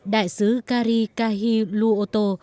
đại sứ kari k dragons lutd